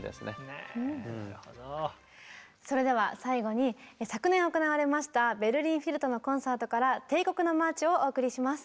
それでは最後に昨年行われましたベルリン・フィルとのコンサートから「帝国のマーチ」をお送りします。